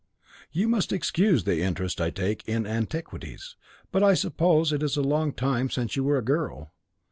'You must excuse the interest I take in antiquities, but I suppose it is a long time since you were a girl.'